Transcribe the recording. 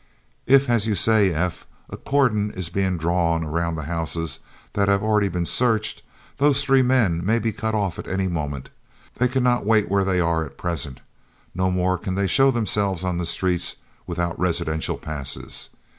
"If, as you say, F., a cordon is being drawn around the houses that have already been searched, those three men may be cut off at any moment. They cannot wait where they are at present, no more can they show themselves on the streets without residential passes.